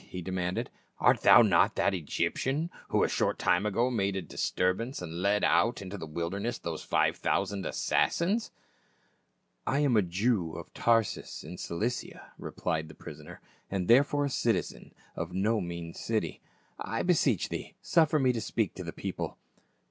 he demanded ;" art thou not that Egyptian, who a short time ago made a dis turbance, and led out into the wilderness those five thousand assassins?"* "I am a Jew of Tarsus, in Cilicia," replied the prisoner, " and therefore a citizen of no mean city. I beseech thee suffer me to speak to the people."